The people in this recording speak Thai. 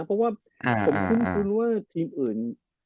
เพราะว่าผมคุ้นว่าทีมอื่น